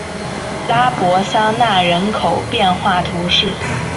拉博桑讷人口变化图示